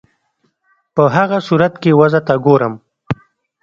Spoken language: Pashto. په هغه صورت کې وضع ته ګورم.